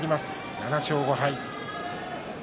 ７勝５敗。